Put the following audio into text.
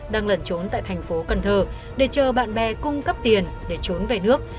đang lẩn trốn tại thành phố cần thơ để chờ bạn bè cung cấp tiền để trốn về nước